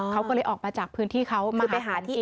เขาก็เลยออกมาจากพื้นที่เขามาไปหาที่เอง